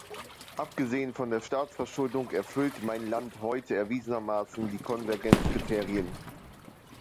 Abgesehen von der Staatsverschuldung erfüllt mein Land heute erwiesenermaßen die Konvergenzkriterien.